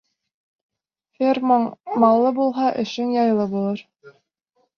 Фермаң маллы булһа, эшең яйлы булыр.